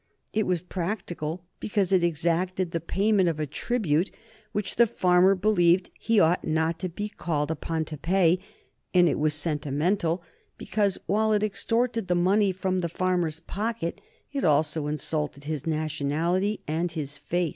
It was practical because it exacted the payment of a tribute which the farmer believed he ought not to be called upon to pay, and it was sentimental because, while it extorted the money from the farmer's pocket, it also insulted his nationality and his faith.